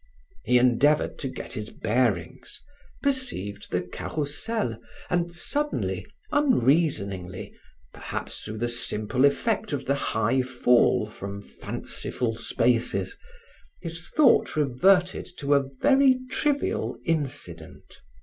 He endeavored to get his bearings, perceived the Carrousel and suddenly, unreasoningly, perhaps through the simple effect of the high fall from fanciful spaces, his thought reverted to a very trivial incident.